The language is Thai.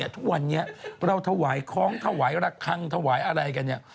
ทุกวันนี้เราถวายค้องรักคังอะไร